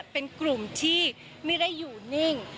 เป็นกลุ่มที่ไม่ได้อยู่นิ่ง